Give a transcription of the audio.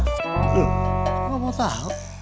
loh gak mau tau